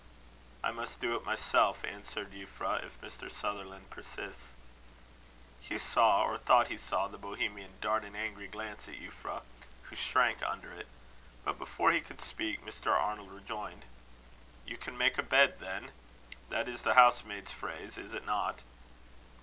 "I must do it myself," answered Euphra, "if Mr. Sutherland persists." Hugh saw, or thought he saw, the Bohemian dart an angry glance at Euphra, who shrank under it. But before he could speak, Mr. Arnold rejoined: "You can make a bed, then? That is the housemaid's phrase, is it not?"